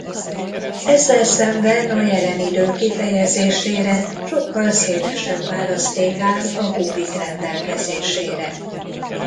Ezzel szemben a jelen idő kifejezésére sokkal szélesebb választék áll a hopik rendelkezésére.